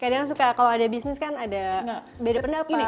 kadang suka kalau ada bisnis kan ada beda pendapat ya